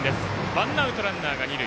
ワンアウト、ランナーが二塁。